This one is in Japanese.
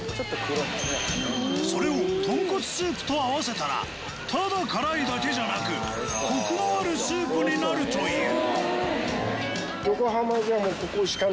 それを豚骨スープと合わせたらただ辛いだけじゃなくコクのあるスープになるという